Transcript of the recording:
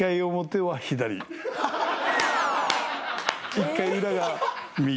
１回裏が右。